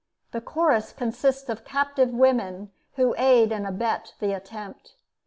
The Chorus consists of captive women, who aid and abet the attempt.